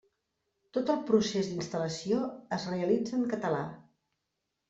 Tot el procés d'instal·lació es realitza en català.